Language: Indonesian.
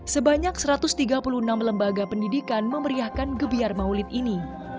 sebanyak satu ratus tiga puluh enam lembaga pendidikan memeriahkan gebiar maulid ini